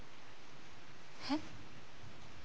えっ？